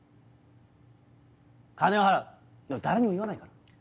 金は払う誰にも言わないから。